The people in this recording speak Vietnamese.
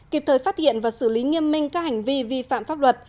kịp thời phát hiện và xử lý nghiêm minh các hành vi vi phạm pháp luật